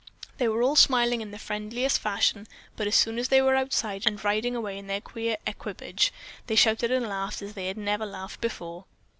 They were all smiling in the friendliest fashion, but as soon as they were outside and riding away in their queer equipage, they shouted and laughed as they had never laughed before.